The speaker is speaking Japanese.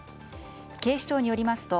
警視庁によりますと